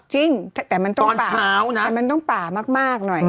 ฮะตอนเช้านะจริงแต่มันต้องป่ามากหน่อย